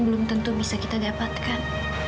belum tentu bisa kita dapatkan